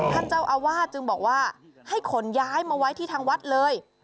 ท่านเจ้าอาวาสจึงบอกว่าให้ขนย้ายมาไว้ที่ทางวัดเลย